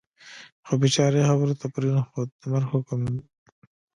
خو بېچاره یې خبرو ته پرېنښود، د مرګ د حکم.